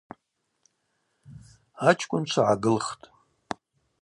Ачкӏвынчва гӏагылхтӏ.